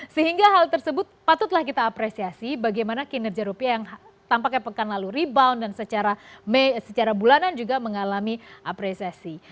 sehingga hal tersebut patutlah kita apresiasi bagaimana kinerja rupiah yang tampaknya pekan lalu rebound dan secara bulanan juga mengalami apresiasi